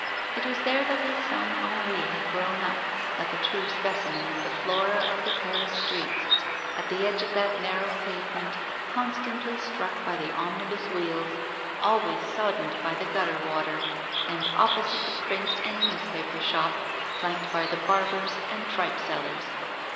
It was there that his son Henri had grown up, like a true specimen of the flora of the Paris streets, at the edge of that narrow pavement constantly struck by the omnibus wheels, always soddened by the gutter water, and opposite the print and newspaper shop, flanked by the barber's and tripeseller's.